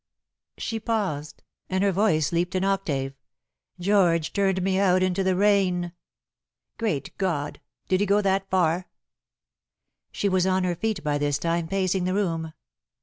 She paused, and her voice leaped an octave. "George turned me out into the rain." "Great God! Did he go that far?" She was on her feet by this time pacing the room.